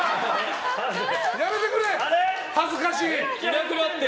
やめてくれ、恥ずかしい。